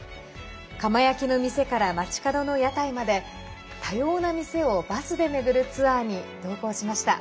釜焼きの店から街角の屋台まで多様な店をバスで巡るツアーに同行しました。